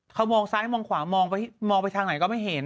เขามองซ้ายมองขวามองไปทางไหนก็ไม่เห็น